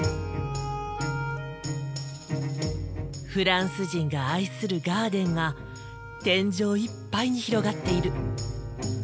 フランス人が愛するガーデンが天井いっぱいに広がっている。